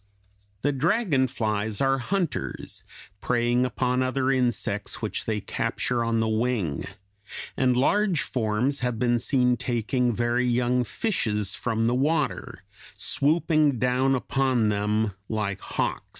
The dragon flies are hunters, preying upon other insects which they capture on the wing, and large forms have been seen taking very young fishes from the water, swooping down upon them like hawks.